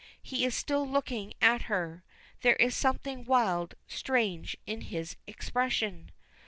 He is still looking at her. There is something wild strange in his expression.